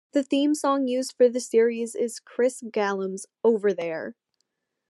The theme song used for the series is Chris Gerolmo's "Over There".